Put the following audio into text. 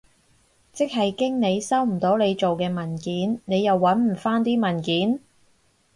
即係經理收唔到你做嘅文件，你又搵唔返啲文件？